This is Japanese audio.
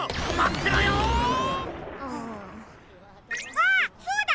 あっそうだ！